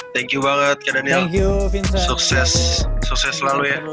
thank you banget kak daniel